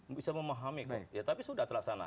bisa memahami tapi sudah terlaksana